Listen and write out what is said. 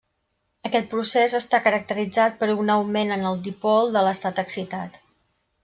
Aquest procés està caracteritzat per un augment en el dipol de l'estat excitat.